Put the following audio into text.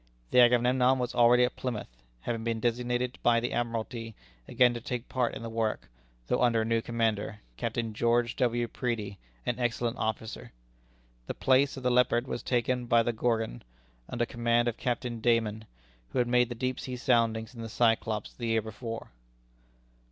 The Agamemnon was already at Plymouth, having been designated by the Admiralty again to take part in the work, though under a new commander, Captain George W. Preedy, an excellent officer. The place of the Leopard was taken by the Gorgon, under command of Captain Dayman, who had made the deep sea soundings in the Cyclops the year before.